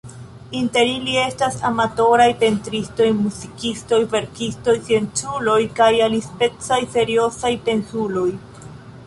Inter ili estas amatoraj pentristoj, muzikistoj, verkistoj, scienculoj kaj alispecaj seriozaj pensuloj.